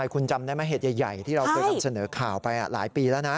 คุณจำได้ไหมเหตุใหญ่ที่เราเคยนำเสนอข่าวไปหลายปีแล้วนะ